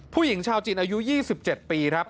ผู้หญิงชาวจีนอายุ๒๗ปีครับ